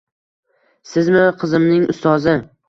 Sizmi qizimning ustozi